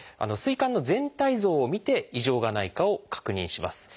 膵管の全体像をみて異常がないかを確認します。